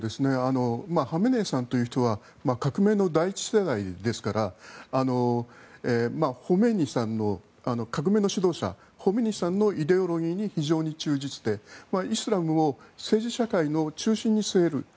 ハメネイさんという人は革命の第１世代ですから革命の指導者のホメイニさんのイデオロギーに非常に忠実で、イスラムを政治社会の中心に据える。